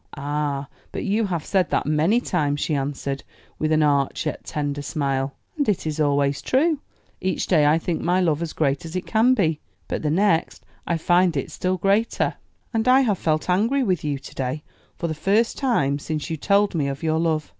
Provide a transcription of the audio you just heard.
"Ah, but you have said that many times," she answered, with an arch, yet tender smile. "And it is always true. Each day I think my love as great as it can be, but the next I find it still greater." "And I have felt angry with you to day, for the first time since you told me of your love."